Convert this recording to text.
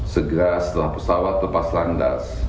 segera setelah pesawat lepas landas